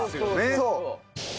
そう。